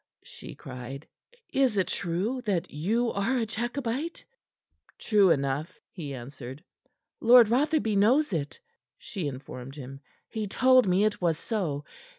she cried. "Is it true that you are a Jacobite?" "True enough," he answered. "Lord Rotherby knows it," she informed him. "He told me it was so.